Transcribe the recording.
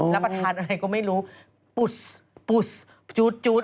รับประทานอะไรก็ไม่รู้ปุ๊ดปุ๊ดจู๊ดจู๊ด